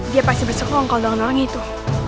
dia pasti bersyukur kau nolong nolong itu